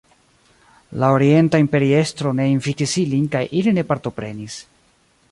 La orienta imperiestro ne invitis ilin kaj ili ne partoprenis.